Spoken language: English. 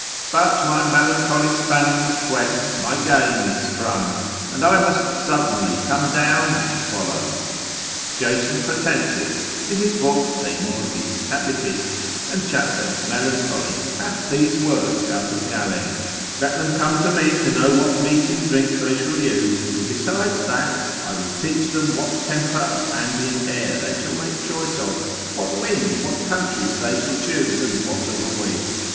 But my melancholy spaniel's quest, my game is sprung, and I must suddenly come down and follow. Jason Pratensis, in his book de morbis capitis, and chapter of Melancholy, hath these words out of Galen, Let them come to me to know what meat and drink they shall use, and besides that, I will teach them what temper of ambient air they shall make choice of, what wind, what countries they shall choose, and what avoid.